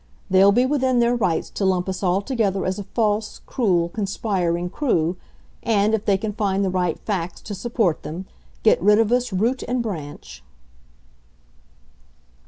They'll be within their rights to lump us all together as a false, cruel, conspiring crew, and, if they can find the right facts to support them, get rid of us root and branch."